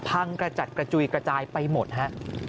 กระจัดกระจุยกระจายไปหมดฮะ